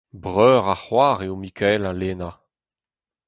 Breur ha c’hoar eo Mikael ha Lena.